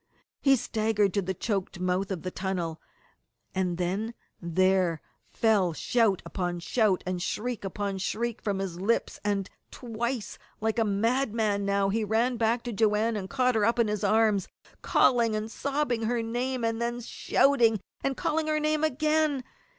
He staggered to the choked mouth of the tunnel, and then there fell shout upon shout, and shriek upon shriek from his lips, and twice, like a madman now, he ran back to Joanne and caught her up in his arms, calling and sobbing her name, and then shouting and calling her name again.